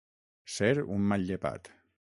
Ser un mal llepat.